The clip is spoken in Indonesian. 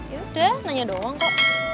yaudah nanya doang kok